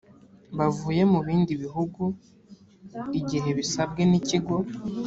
bavuye mu bindi bihugu igihe bisabwe n ikigo